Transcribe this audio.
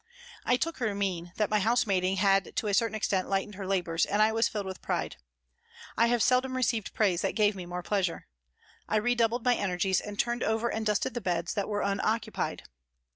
I took her to mean that my housemaiding had to a certain extent lightened her labours, and I was filled with pride ; I have seldom received praise that gave me more pleasure. I redoubled my energies and turned over and dusted the beds that were unoccupied.